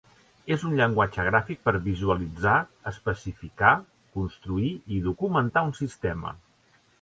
És un llenguatge gràfic per visualitzar, especificar, construir i documentar un sistema.